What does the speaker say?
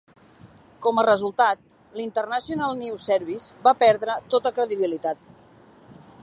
Com a resultat, l'International News Service va perdre tota credibilitat.